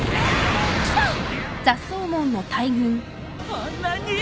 あんなに！？